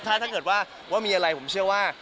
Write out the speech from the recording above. ถ้าเกิดว่าว่ามีอะไรผมเชื่อว่า